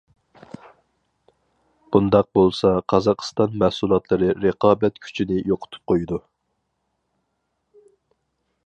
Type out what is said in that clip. بۇنداق بولسا قازاقىستان مەھسۇلاتلىرى رىقابەت كۈچىنى يوقىتىپ قويىدۇ.